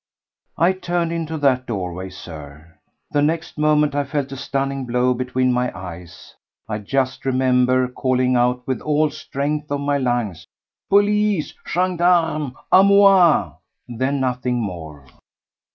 I turned into that doorway, Sir; the next moment I felt a stunning blow between my eyes. I just remember calling out with all the strength of my lungs: "Police! Gendarmes! A moi!" Then nothing more.